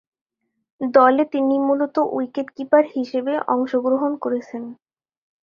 দলে তিনি মূলতঃ উইকেট-কিপার হিসেবে অংশগ্রহণ করছেন।